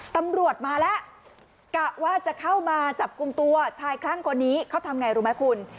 ตำรวจมาแล้วกะว่าจะเข้ามาจับกลุ่มตัวชายคลั่งคนนี้เขาทำไงรู้ไหมคุณ